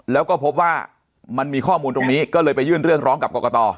แล้วก็พบว่ามันมีข้อมูลตรงนี้ก็เลยไปยื่นเรื่องร้องกับกรกต